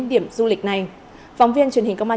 điểm du lịch này phóng viên truyền hình công an